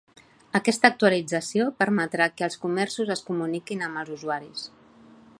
Aquesta actualització permetrà que els comerços es comuniquin amb els usuaris.